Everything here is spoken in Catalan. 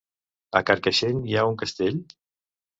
A Carcaixent hi ha un castell?